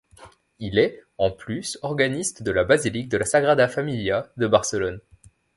Il est, en plus, organiste de la basilique de la Sagrada Familia de Barcelone.